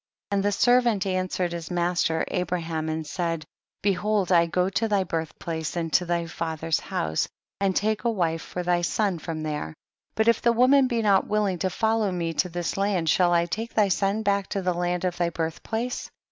32. And the servant answered his master Abraham and said, behold I 72 THE BOOK OF JASHER. go to thy birth place and to thy lather's house, and take a wife for thy son from there ; but if the woman be not wiUing to follow me to this land, shall I take thy son back to the land of thy birth place